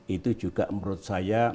itu juga menurut saya